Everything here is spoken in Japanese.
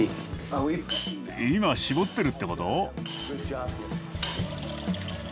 今搾ってるってこと？